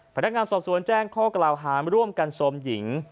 พนักงานสอบสวนแจ้งข้อกล่าวหาร่วมกันโซมหญิง